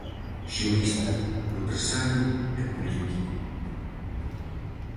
Xurista, empresario e político.